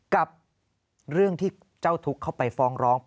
กับเรื่องที่เจ้าทุกข์เข้าไปฟ้องร้อง